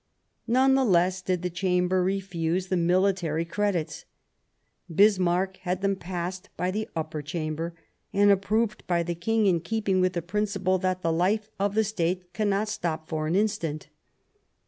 None the less did the Chamber refuse the military credits. Bismarck had them passed by the Upper Chamber and approved by the King in keeping with the principle that the life of the State cannot stop for an instant.